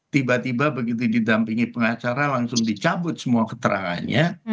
tiba tiba begitu didampingi pengacara langsung dicabut semua keterangannya